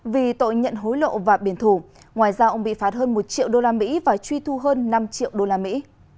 vì tội nhận hối lộ và biển thủ ngoài ra ông bị phạt hơn một triệu đô la mỹ và truy thu hơn năm triệu đô la mỹ